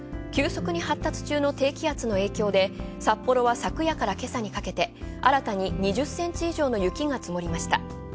急速に発達中の低気圧の影響で札幌は昨夜から今朝にかけて新たに２０センチ以上の雪が積もりました。